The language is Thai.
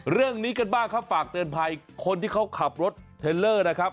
เรื่องนี้ก็สำหรับกับคนที่เดินไพรคนที่เขาขับรถเทเวอร์นะครับ